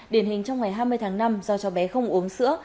điển hình trong ngày hai mươi tháng năm do cho bé không uống sữa